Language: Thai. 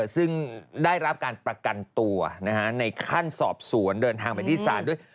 ซึ่งได้รับการประกันตัวในขั้นสอบสวนเดินทางไปที่ศาลด้วย